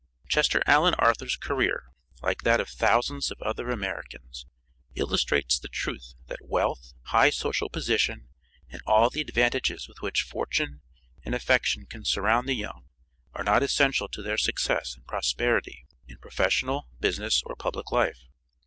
Chester Allan Arthur's career, like that of thousands of other Americans, illustrates the truth that wealth, high social position and all the advantages with which fortune and affection can surround the young are not essential to their success and prosperity in professional, business or public life.